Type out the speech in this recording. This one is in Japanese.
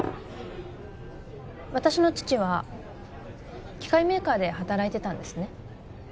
私の父は機械メーカーで働いてたんですね